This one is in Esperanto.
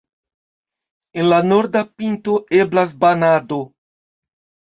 En la norda pinto eblas banado.